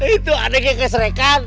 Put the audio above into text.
itu ada kekes rekan